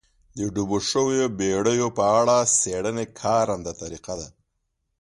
د ډوبو شویو بېړیو په اړه څېړنې کارنده طریقه ده.